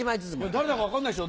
誰だか分かんないでしょ。